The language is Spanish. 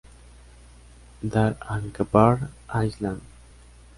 Dar al-Gharb al-Islami".